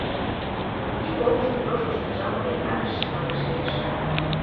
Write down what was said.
Ик олмышто тошкыштын, жапым эртарыш, манаш лиеш.